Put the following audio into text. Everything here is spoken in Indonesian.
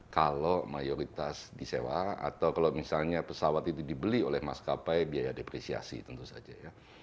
kalau mayoritas disewa atau kalau misalnya pesawat itu dibeli oleh maskapai biaya depresiasi tentu saja ya